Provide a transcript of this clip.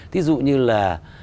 ví dụ như là